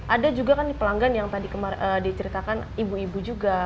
ada juga kan pelanggan yang tadi diceritakan ibu ibu juga